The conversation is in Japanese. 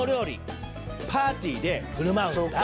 パーティーで振る舞うんだ。